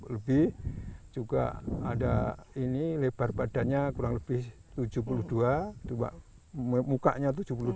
lebih juga ada ini lebar badannya kurang lebih tujuh puluh dua mukanya tujuh puluh dua